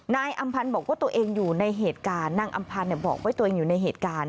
อำพันธ์บอกว่าตัวเองอยู่ในเหตุการณ์นางอำพันธ์บอกว่าตัวเองอยู่ในเหตุการณ์